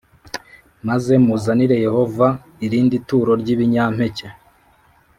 maze muzanire Yehova irindi turo ry ibinyampeke